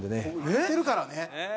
言ってるからね！